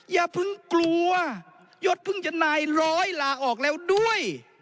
อย่าเพิ่งกลัวยศเพิ่งจะนายร้อยลาออกแล้วด้วย